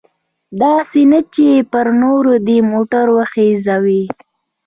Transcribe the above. داسې نه چې پر نورو دې موټر وخیژوي.